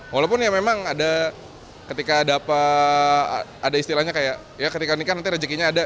walaupun ya memang ada ketika ada apa ada istilahnya kayak ya ketika ini kan nanti rezekinya ada